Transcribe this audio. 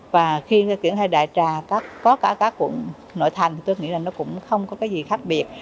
và khi triển khai đại trà có cả các quận nội thành tôi nghĩ rằng nó cũng không có gì khác biệt